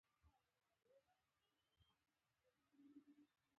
دوی فکر کوي چې نوي لنډۍ اصلي ته تاوان رسوي.